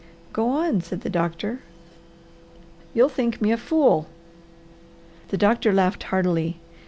"Go on!" said the doctor. "You'll think me a fool." The doctor laughed heartily.